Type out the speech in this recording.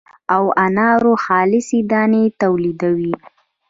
او د انارو خالصې دانې تولیدوي.